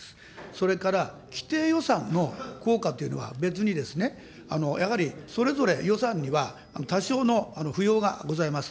それから、規定予算の効果というのは、別にですね、やはりそれぞれ予算には、多少のふようがございます。